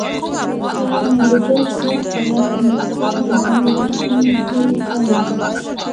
کار مې د بل خوښ خوراک مې خپل د ځان غوښتنې خوی ښيي